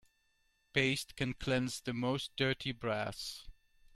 Paste can cleanse the most dirty brass.